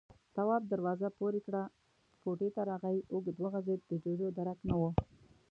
تواب دروازه پورې کړه، کوټې ته راغی، اوږد وغځېد، د جُوجُو درک نه و.